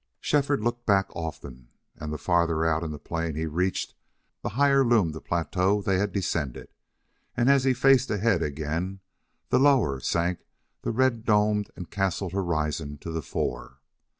Shefford looked back often, and the farther out in the plain he reached the higher loomed the plateau they had descended; and as he faced ahead again the lower sank the red domed and castled horizon to the fore.